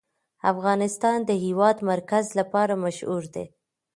افغانستان د د هېواد مرکز لپاره مشهور دی.